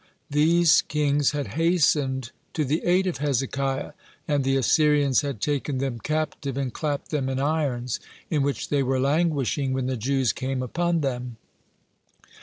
These kings had hastened to the aid of Hezekiah, and the Assyrians had taken them captive and clapped them in irons, in which they were languishing when the Jews came upon them.